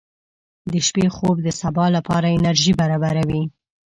• د شپې خوب د سبا لپاره انرژي برابروي.